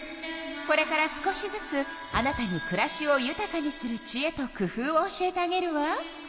これから少しずつあなたにくらしをゆたかにするちえとくふうを教えてあげるわ。